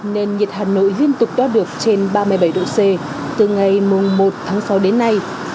nên nhiệt hà nội liên tục đoát được trên ba mươi bảy độ c từ ngày một tháng sáu đến nay